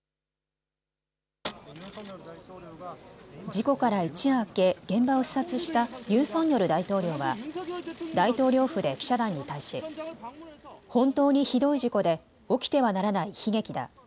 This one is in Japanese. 事故から一夜明け現場を視察したユン・ソンニョル大統領は大統領府で記者団に対し本当にひどい事故で起きてはならない悲劇だ。